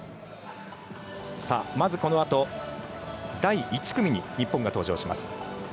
まず、このあと第１組に日本が登場します。